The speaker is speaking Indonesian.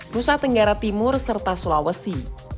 nusa tenggara timur serta sulawesi